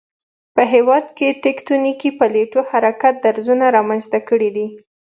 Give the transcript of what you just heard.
په هېواد کې تکتونیکی پلیټو حرکت درزونه رامنځته کړي دي